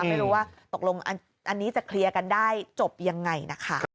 ไม่รู้ว่าตกลงอันนี้จะเคลียร์กันได้จบยังไงนะคะ